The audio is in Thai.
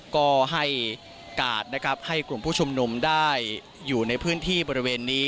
ก็ให้กาดนะครับให้กลุ่มผู้ชุมนุมได้อยู่ในพื้นที่บริเวณนี้